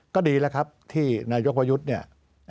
ก็ดีแล้วครับที่นายกประยุทธ์เนี่ย